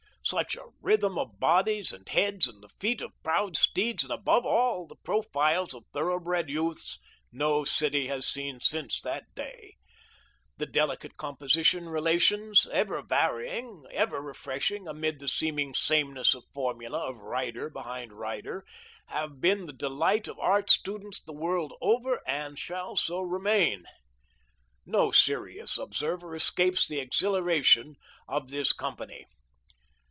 Such a rhythm of bodies and heads and the feet of proud steeds, and above all the profiles of thoroughbred youths, no city has seen since that day. The delicate composition relations, ever varying, ever refreshing, amid the seeming sameness of formula of rider behind rider, have been the delight of art students the world over, and shall so remain. No serious observer escapes the exhilaration of this company.